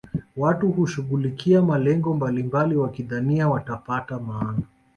watu hushughulikia malengo mbalimbali wakidhania watapata maana